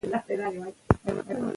که دستمال وي نو میز نه لمدیږي.